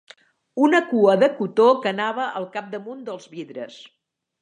Una cua de cotó que anava al capdamunt dels vidres